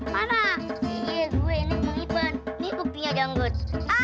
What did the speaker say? mana ini buktinya jenggot